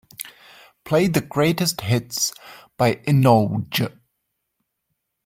Play the greatest hits by Inoj.